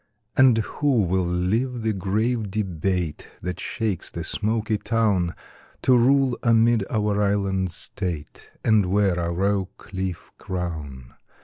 And who will leave the grave debate That shakes the smoky town, To rule amid our island state, And wear our oak leaf crown?